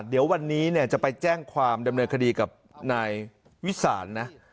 เดี๋ยววันนี้จะไปแจ้งความดำเนินคดีกับนายวิสานนะ